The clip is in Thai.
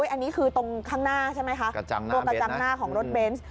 อันนี้คือตรงข้างหน้าใช่ไหมคะตัวกระจังหน้าของรถเบนส์